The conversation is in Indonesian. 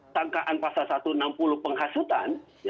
sangkaan pasal satu ratus enam puluh penghasutan